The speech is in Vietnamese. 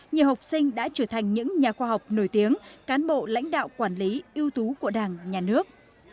nhiều học sinh đã trở thành những nhà khoa học nổi tiếng cán bộ lãnh đạo quản lý ưu tú của đảng nhà nước